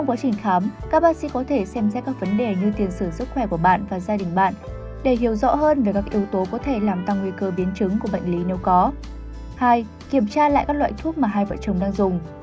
hai kiểm tra lại các loại thuốc mà hai vợ chồng đang dùng